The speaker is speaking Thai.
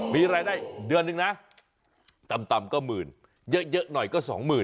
มีรายได้เดือนนึงนะต่ำก็หมื่นเยอะหน่อยก็๒๐๐๐